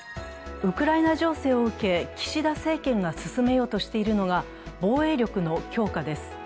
ウクライナ情勢を受け、岸田政権が進めようとしているのが、防衛力の強化です。